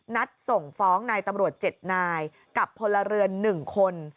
นัดส่งฟ้องนายตำรวจเจ็ดนายกับพลเรือนหนึ่งคน